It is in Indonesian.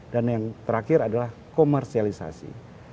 dan yang terakhir adalah komersialisasi